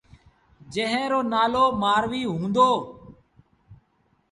جݩهݩ رو نآلو مآروي هُݩدو۔